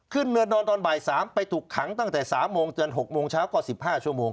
ขึ้นเรือนนอนตอนบ่าย๓ไปถูกขังตั้งแต่๓โมงจน๖โมงเช้าก็๑๕โมง